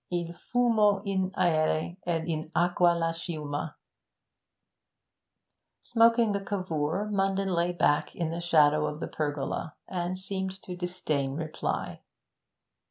il fumo in aere ed in aqua la schiuma!' Smoking a Cavour, Munden lay back in the shadow of the pergola, and seemed to disdain reply.